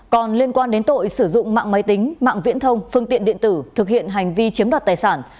còn liên quan đến tội sử dụng mạng máy tính mạng viễn thông phương tiện điện tử thực hiện hành vi chiếm đoạt tài sản